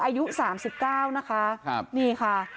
อายุ๓๙นะคะนี่ค่ะ